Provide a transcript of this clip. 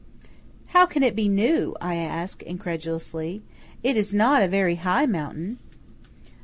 "How can it be new?" I ask, incredulously. "It is not a very high mountain."